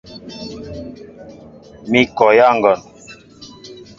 Mi kɔyá ŋgɔn.